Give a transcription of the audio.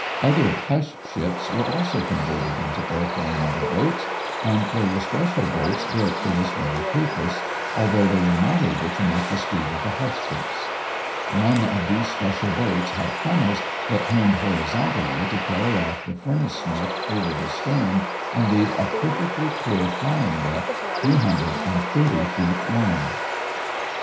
Other "hush ships" were also converted into airplane mother boats and there were special boats built for this very purpose, although they were not able to make the speed of the "hush ships." One of these special boats had funnels that turned horizontally to carry off the furnace smoke over the stern and leave a perfectly clear flying deck, 330 feet long.